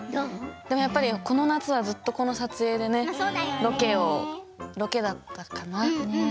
やっぱりこの夏はずっとドラマの撮影でロケだったかな。